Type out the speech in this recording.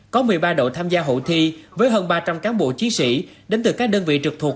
có một mươi ba đội tham gia hội thi với hơn ba trăm linh cán bộ chiến sĩ đến từ các đơn vị trực thuộc